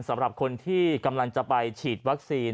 สำหรับคนที่กำลังจะไปฉีดวัคซีน